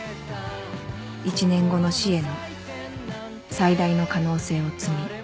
１年後の死への最大の可能性を摘み